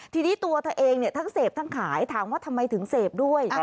ทีนี้ตัวเธอเองทั้งเสพทั้งขายถามว่าทำไมถึงเสพด้วย